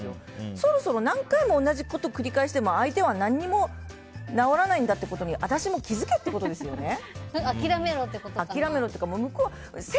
そろそろ何回も同じこと繰り返しても相手は何も治らないんだってことに諦めろってことかな。